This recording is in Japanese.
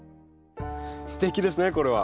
すてきですねこれは。